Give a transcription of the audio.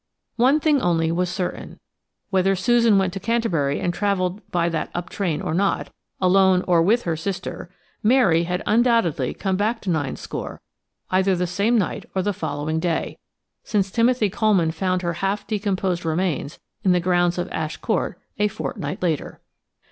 One thing only was certain–whether Susan went to Canterbury and travelled by that up train or not, alone or with her sister–Mary had undoubtedly come back to Ninescore either the same night or the following day, since Timothy Coleman found her half decomposed remains in the grounds of Ash Court a fortnight later.